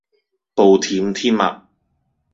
暴殄天物